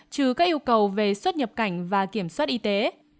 trừ các yêu cầu về xuất nhập cảnh và kiểm soát y tế